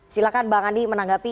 silahkan bang andi menanggapi